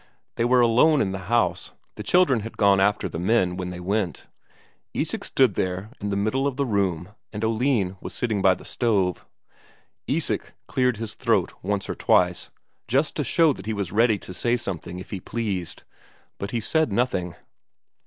They were alone in the house; the children had gone after the men when they went. Isak stood there in the middle of the room, and Oline was sitting by the stove. Isak cleared his throat once or twice, just to show that he was ready to say something if he pleased. But he said nothing.